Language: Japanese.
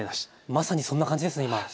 まさにそんな感じですね。